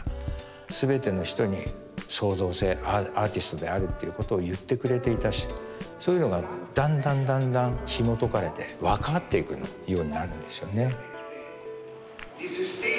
全ての人に創造性アーティストであるということを言ってくれていたしそういうのがだんだんだんだんひもとかれて分かっていくようになるんですよね。